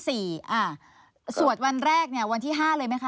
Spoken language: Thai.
สวดวันแรกเนี่ยวันที่๕เลยไหมคะ